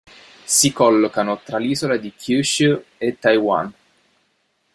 Si collocano tra l'isola di Kyūshū e Taiwan.